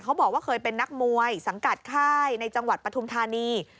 บอกว่าเคยเป็นนักมวยสังกัดค่ายในจังหวัดปฐุมธานี